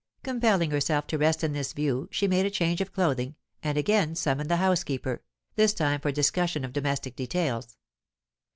Compelling herself to rest in this view, she made a change of clothing, and again summoned the housekeeper, this time for discussion of domestic details.